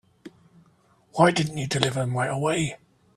Why didn't you deliver them right away?